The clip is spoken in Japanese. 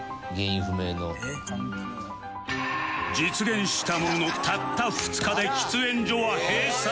実現したもののたった２日で喫煙所は閉鎖